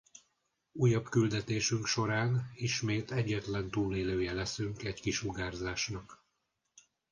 Újabb küldetésünk során ismét egyetlen túlélője leszünk egy kisugárzásnak.